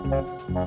oh ini dia